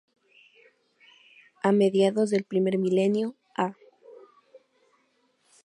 A mediados del primer milenio a.